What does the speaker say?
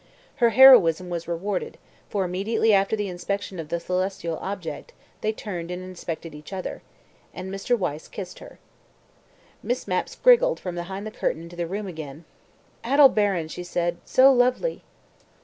Her heroism was rewarded, for immediately after the inspection of the celestial object, they turned and inspected each other. And Mr. Wyse kissed her. Miss Mapp "scriggled" from behind the curtain into the room again. "Aldebaran!" she said. "So lovely!"